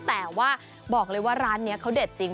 แต่ว่าบอกเลยว่าร้านนี้เขาเด็ดจริง